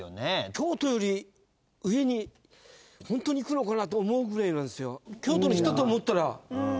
京都より上に本当にいくのかなと思うぐらいなんですよ。